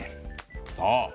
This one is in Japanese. そう。